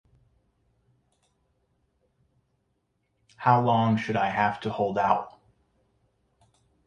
How long should I have to hold out?